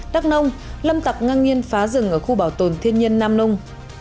đắk nông lâm tập ngang nghiên phá rừng ở khu bảo tồn thiên nhiên nam nông